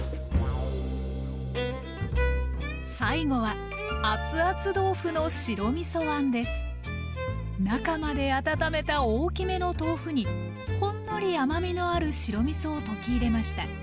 最後は中まで温めた大きめの豆腐にほんのり甘みのある白みそを溶き入れました。